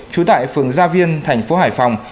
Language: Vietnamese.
chú tại phường gia viên tp hải phòng